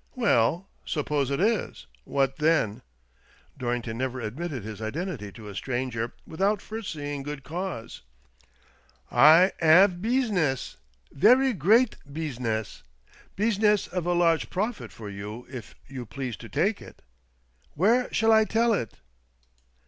" Well — suppose it is, what then ?" Dorrington never admitted his identity to a stranger without first seeing good cause. " I 'ave beesness — very great beesness ; beesness of a large profit for you if you please to take it. Where shall I tell it